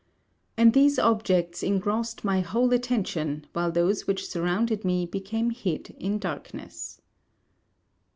And these objects engrossed my whole attention, while those which surrounded me became hid in darkness.